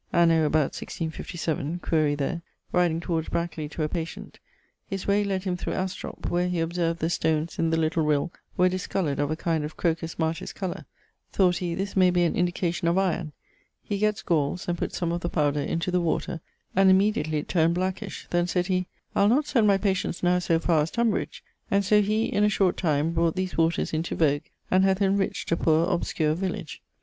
Anno about 1657 (quaere there), riding towards Brackley to a patient, his way led him thorough Astrop, where he observed the stones in the little rill were discoloured of a kind of Crocus Martis colour; thought he, this may be an indication of iron; he getts gaules, and putts some of the powder into the water, and immediately it turned blackish; then sayd he, 'I'le not send my patients now so far as Tunbridge,' and so he in a short time brought these waters into vogue, and hath inriched a poore obscure village.